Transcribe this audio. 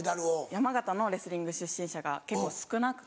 山形のレスリング出身者が結構少なくて。